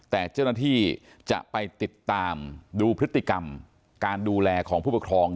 แต่เจ้าหน้าที่จะไปติดตามดูพฤติกรรมการดูแลของผู้ปกครอง